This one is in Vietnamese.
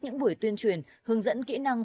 những buổi tuyên truyền hướng dẫn kỹ năng